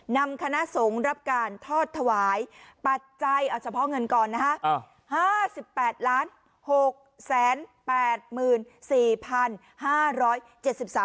นำคณะสงฆ์รับการทอดถวายปัจจัยเอาเฉพาะเงินก่อนนะฮะ